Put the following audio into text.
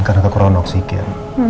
karena kekurangan oksigen